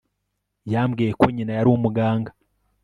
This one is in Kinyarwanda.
Yambwiye ko nyina yari umuganga